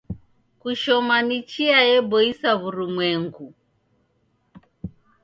Kushoma ni chia yeboisa w'urumwengu.